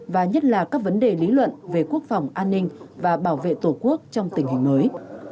và nhất là các vấn đề lý luận về quốc phòng an ninh và bảo vệ tổ quốc trong tình hình mới